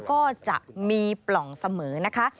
ก็จะมีปล่องเสมอนะคะ